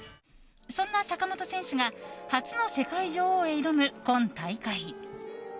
そんな坂本選手が初の世界女王へ挑む今大会。